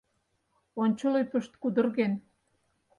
Ончыл ӱпышт кудырген.